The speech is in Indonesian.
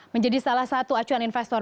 menjadi salah satu acuan investor